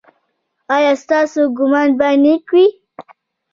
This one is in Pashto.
ایا ستاسو ګمان به نیک وي؟